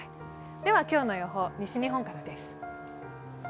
では今日の予報、西日本からです。